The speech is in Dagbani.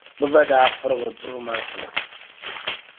Bɛ ba daa pirigi duri maa ti ba.